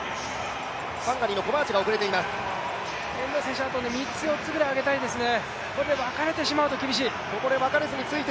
遠藤選手、あと３つ４つぐらい上げたいですね。